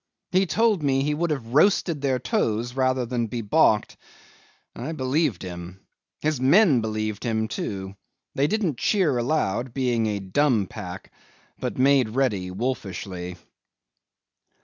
He told me he would have roasted their toes rather than be baulked. I believe him. His men believed him too. They didn't cheer aloud, being a dumb pack, but made ready wolfishly.